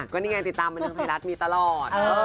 ก็นี่ไงติดตามเป็นเรื่องไพรัสมีตลอด